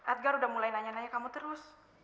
adgar udah mulai nanya nanya kamu terus